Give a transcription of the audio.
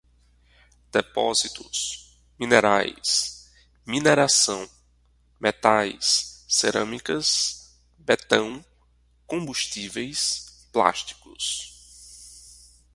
depósitos, minerais, mineração, metais, cerâmicas, betão, combustíveis, plásticos